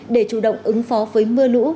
để chủ động ứng phó với mưa lũ